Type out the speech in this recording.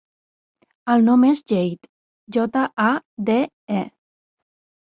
El nom és Jade: jota, a, de, e.